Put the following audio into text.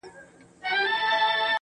څوك دي د جاناني كيسې نه كوي.